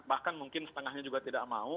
bahkan mungkin setengahnya juga tidak mau